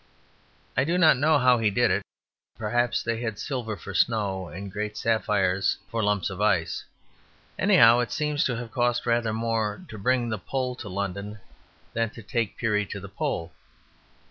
I do not know how he did it; perhaps they had silver for snow and great sapphires for lumps of ice. Anyhow, it seems to have cost rather more to bring the Pole to London than to take Peary to the Pole.